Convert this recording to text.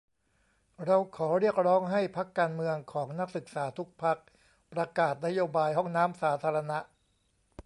เราขอเรียกร้องให้พรรคการเมืองของนักศึกษาทุกพรรค ประกาศนโยบายห้องน้ำสาธารณะ !